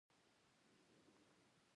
افغان ځوانان څه غواړي؟